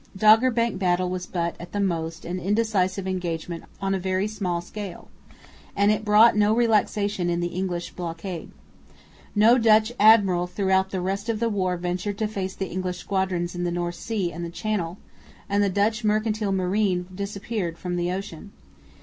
Doggerbank battle was but, at the most, an indecisive engagement on a very small scale, and it brought no relaxation in the English blockade. No Dutch admiral throughout all the rest of the war ventured to face the English squadrons in the North Sea and in the Channel; and the Dutch mercantile marine disappeared from the ocean.